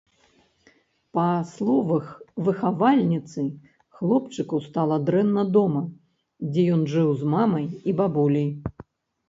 Па словах выхавальніцы, хлопчыку стала дрэнна дома, дзе ён жыў з мамай і бабуляй.